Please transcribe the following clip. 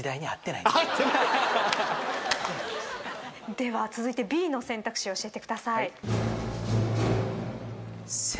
では続いてＢの選択肢教えてください。